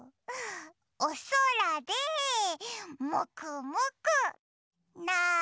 おそらでもくもくなんだ？